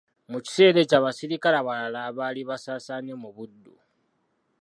Mu kiseera ekyo abaserikale abalala abaali basaasaanye mu Buddu.